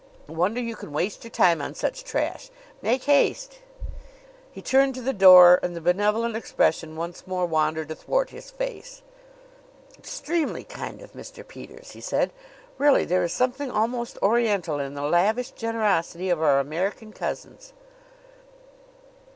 "I wonder you can waste your time on such trash. Make haste!" He turned to the door, and the benevolent expression once more wandered athwart his face. "Extremely kind of Mr. Peters!" he said. "Really, there is something almost Oriental in the lavish generosity of our American cousins."